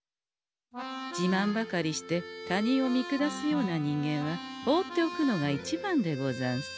じまんばかりして他人を見下すような人間は放っておくのが一番でござんす。